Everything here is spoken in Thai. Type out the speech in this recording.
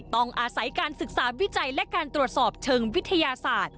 ต้องอาศัยการศึกษาวิจัยและการตรวจสอบเชิงวิทยาศาสตร์